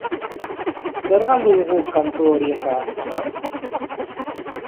Zer galdu dugu kantu horiek ahaztuta?